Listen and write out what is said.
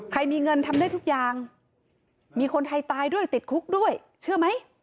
มีเงินทำได้ทุกอย่างมีคนไทยตายด้วยติดคุกด้วยเชื่อไหม